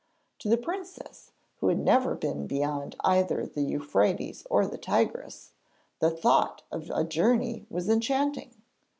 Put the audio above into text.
To the princess, who had never been beyond either the Euphrates or the Tigris, the thought of a journey was enchanting.